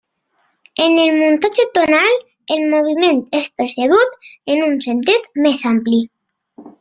En el muntatge tonal, el moviment és percebut en un sentit més ampli.